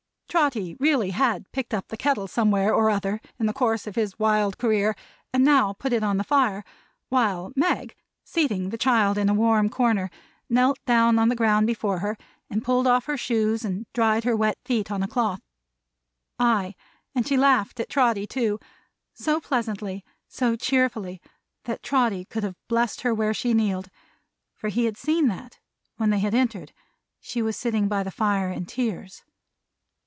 Trotty really had picked up the kettle somewhere or other in the course of his wild career, and now put it on the fire; while Meg, seating the child in a warm corner, knelt down on the ground before her, and pulled off her shoes, and dried her wet feet on a cloth. Ay, and she laughed at Trotty too so pleasantly, so cheerfully, that Trotty could have blessed her where she kneeled; for he had seen that, when they entered, she was sitting by the fire in tears.